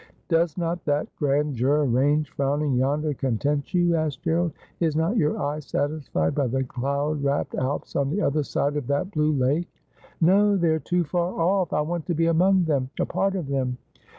'Does not that grand Jura range frowning yonder content you ?' asked Gerald. ' Is not your eye satisfied by the cloud wrapped Alps on the other side of that blue lake ?'' No ; they arc too far off. I want to be among them — a part of them.